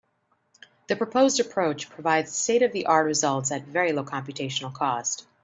The proposed approach provides state-of-the-art results at very low computational cost.